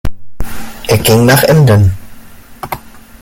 Er ging nach Emden.